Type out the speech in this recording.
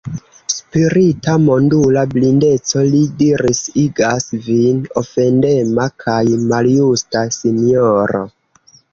Spirita, mondula blindeco, li diris, igas vin ofendema kaj maljusta, sinjoro.